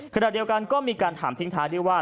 ขณะเดียวกันก็มีการถามทิ้งท้ายด้วยว่า